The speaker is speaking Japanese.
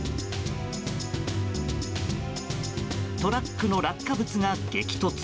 トラックの落下物が激突。